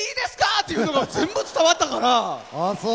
っていうのが全部、伝わったから。